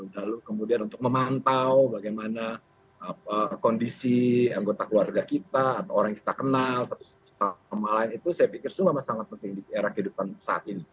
lalu kemudian untuk memantau bagaimana kondisi anggota keluarga kita atau orang yang kita kenal satu sama lain itu saya pikir semua sangat penting di era kehidupan saat ini